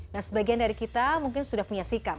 nah sebagian dari kita mungkin sudah punya sikap